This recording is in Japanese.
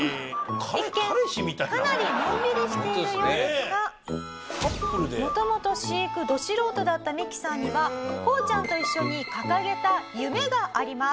一見かなりのんびりしているようですが元々飼育ど素人だったミキさんにはこうちゃんと一緒に掲げた夢があります。